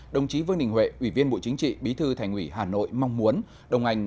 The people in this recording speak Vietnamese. đồng chí vương đình huệ ủy viên bộ chính trị bí thư thành ủy hà nội mong muốn đông anh